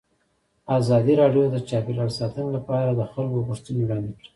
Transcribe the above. ازادي راډیو د چاپیریال ساتنه لپاره د خلکو غوښتنې وړاندې کړي.